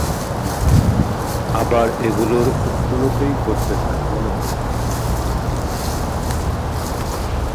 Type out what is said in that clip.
আবার এগুলোর কোনোটিই ঘটবে না এমনও হতে পার।